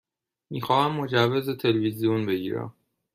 می خواهم مجوز تلویزیون بگیرم.